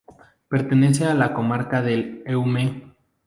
Pertenece a la comarca del Eume.